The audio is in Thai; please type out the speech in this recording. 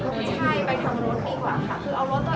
หรือเปลี่ยนจากรถมิน